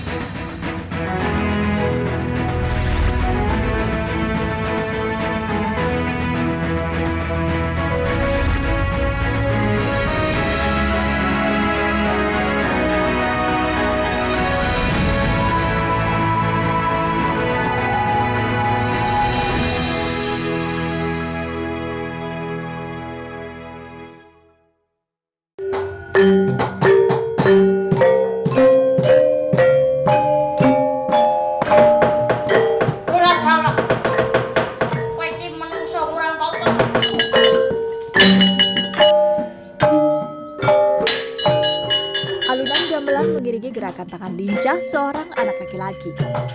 alunan gamelan mengirigi gerakan tangan lincah seorang anak kaki laki